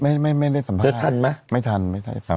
ไม่ไม่ไม่ได้สัมภาษณ์ไม่ทันไม่ได้สัมภาษณ์เธอทันไหมไม่ทัน